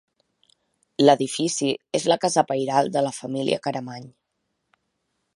L'edifici és la casa pairal de la família Caramany.